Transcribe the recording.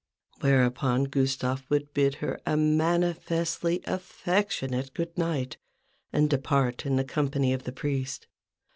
Whereupon Gustave would bid her a manifestly affectionate good night ! and depart in the company of the priest.